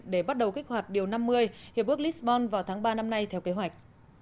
để bắt đầu kích hoạt điều năm mươi hiệp ước lisbon vào tháng ba năm nay theo kế hoạch